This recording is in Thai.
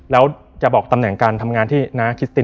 แล้วจะบอกตำแหน่งการทำงานที่น้าคิสติ